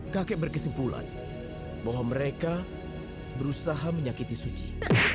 kakek berkesimpulan bahwa mereka berusaha menyakiti suci